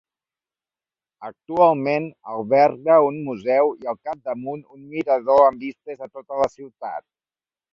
Actualment alberga un museu i, al capdamunt, un mirador amb vistes de tota la ciutat.